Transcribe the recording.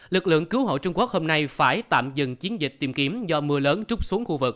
lực lượng cứu hộ trung quốc hôm nay phải tạm dừng chiến dịch tìm kiếm do mưa lớn trút xuống khu vực